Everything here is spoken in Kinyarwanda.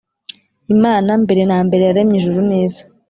imana mbere na mbere yaremye ijuru nisi